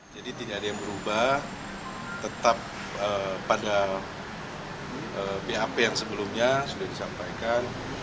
jadi tidak ada yang berubah tetap pada pap yang sebelumnya sudah disampaikan